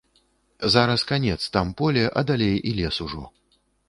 Зараз канец, там поле, а далей і лес ужо.